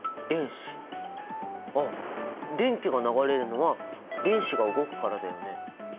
電気が流れるのは電子が動くからだよね。